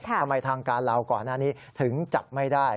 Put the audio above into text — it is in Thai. ทำไมทางการลาวก่อนหน้านี้ถึงจับไม่ได้